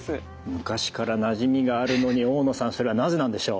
昔からなじみがあるのに大野さんそれはなぜなんでしょう？